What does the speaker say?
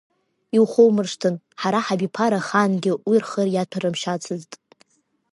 Иухоумыршҭын, ҳара ҳабиԥара ахаангьы уи рхы иаҭәарымшьацызт.